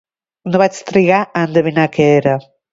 No vaig trigar a endevinar què era.